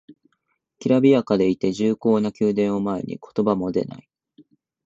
きらびやかでいて重厚な宮殿を前に言葉も出ない